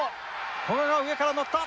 古賀が上から乗った。